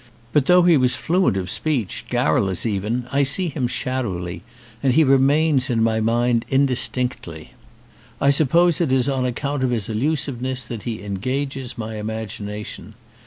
But though he was fluent of speech, garrulous even, I see him shadowly ; and he remains in my mind in distinctly. I suppose it is on account of his elusiveness that he engages my imagination.